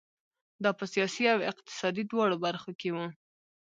دا په سیاسي او اقتصادي دواړو برخو کې وو.